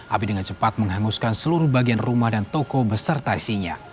api dengan cepat menghanguskan seluruh bagian rumah dan toko beserta isinya